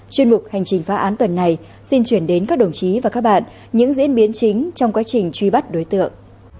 chuyên mục hành trình phá án tuần này xin chuyển đến các đồng chí và các bạn những diễn biến chính trong quá trình truy bắt đối tượng